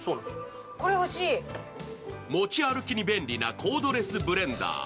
持ち歩きに便利なコードレスブレンダー。